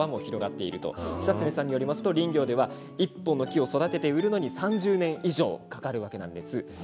久恒さんによりますと林業では１本の木を育てて売るのに３０年以上かかるわけです。